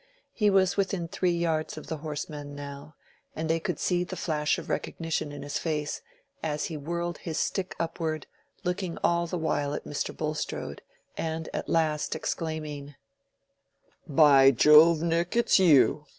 He was within three yards of the horseman now, and they could see the flash of recognition in his face as he whirled his stick upward, looking all the while at Mr. Bulstrode, and at last exclaiming:— "By Jove, Nick, it's you!